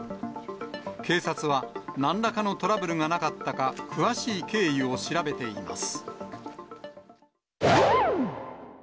警察は、なんらかのトラブルがなかったか、詳しい経緯を調べています。